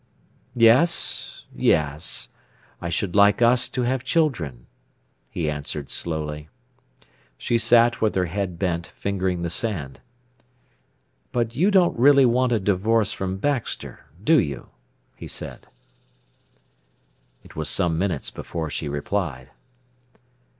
"Yes, yes; I should like us to have children," he answered slowly. She sat with her head bent, fingering the sand. "But you don't really want a divorce from Baxter, do you?" he said. It was some minutes before she replied.